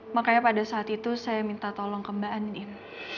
makanya pada saat itu saya minta tolong ke mbak andian